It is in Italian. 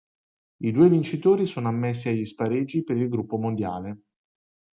I due vincitori sono ammessi agli spareggi per il Gruppo Mondiale.